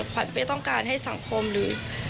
ไม่ต้องการให้สังคมหรือ